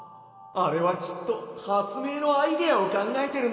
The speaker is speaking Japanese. あれはきっとはつめいのアイデアをかんがえてるんだな。